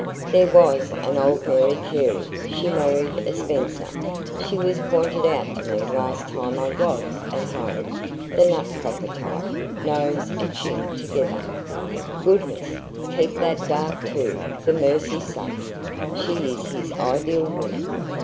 "There was an old Mary Carey; she married a Spencer. She was pointed out to me last time I was at home the nut cracker type, nose and chin together " "Goodness! Keep that dark too, for mercy's sake! She is his ideal woman.